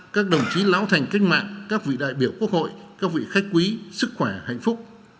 các đồng chí lão thành cách mạng các vị đại biểu quốc hội các vị khách quý sức khỏe hạnh phúc